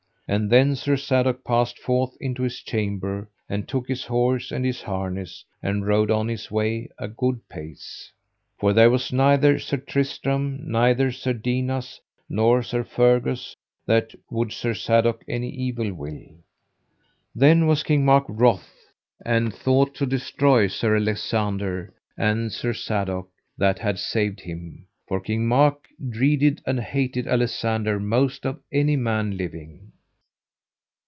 And then Sir Sadok passed forth into his chamber, and took his horse and his harness, and rode on his way a good pace. For there was neither Sir Tristram, neither Sir Dinas, nor Sir Fergus, that would Sir Sadok any evil will. Then was King Mark wroth, and thought to destroy Sir Alisander and Sir Sadok that had saved him; for King Mark dreaded and hated Alisander most of any man living.